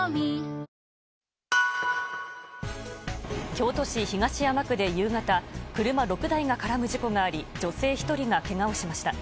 京都市東山区で夕方車６台が絡む事故があり女性１人がけがをしました。